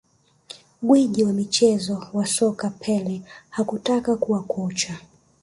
Gwiji wa mchezo wa soka Pele hakutaka kuwa kocha